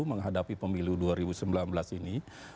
menghadapi pemilu dua ribu sembilan belas ini